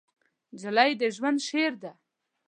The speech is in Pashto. نجلۍ د ژوند شعر ده.